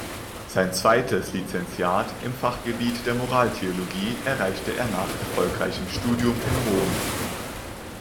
Sein zweites Lizenziat im Fachgebiet der Moraltheologie erreichte er nach erfolgreichem Studium in Rom.